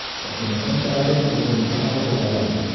Perteneciente al área metropolitana de Popayán.